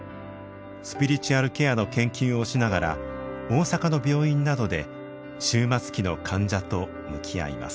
スピリチュアルケアの研究をしながら大阪の病院などで終末期の患者と向き合います。